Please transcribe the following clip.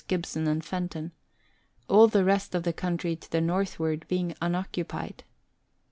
Gibson and Fenton all the rest of the country to the northward being unoccupied.